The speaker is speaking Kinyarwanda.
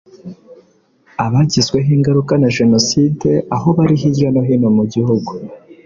abagizweho ingaruka na Jenoside aho bari hirya no hino mu gihugu